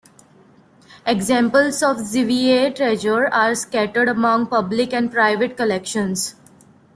Examples of the "Ziwiye Treasure" are scattered among public and private collections.